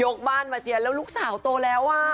บ้านมาเจียนแล้วลูกสาวโตแล้วอ่ะ